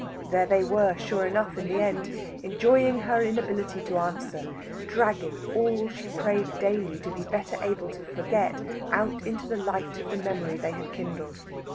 There they were, sure enough in the end, enjoying her inability to answer, dragging all she prayed daily to be better able to forget out into the light of the memory they had kindled.